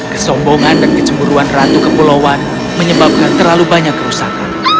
kesombongan dan kecemburuan ratu kepulauan menyebabkan terlalu banyak kerusakan